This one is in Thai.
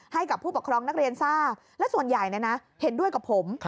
ให้กับผู้ปกครองนักเรียนทราบและส่วนใหญ่เห็นด้วยกับผม